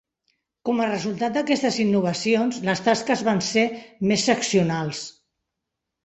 Com a resultat d"aquests innovacions, les tasques van ser més seccionals.